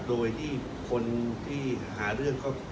โดยที่เป็นคนหาเรื่อง